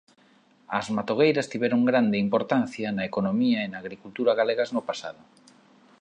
As matogueiras tiveron grande importancia na economía e na agricultura galegas no pasado.